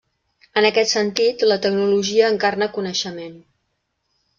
En aquest sentit, la tecnologia encarna coneixement.